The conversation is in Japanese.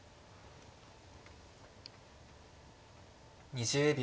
２０秒。